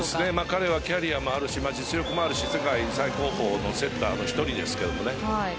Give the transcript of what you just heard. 彼はキャリアもあるし実力もあるし世界最高峰のセッターの１人ですけどもね。